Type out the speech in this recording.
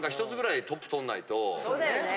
そうだよね。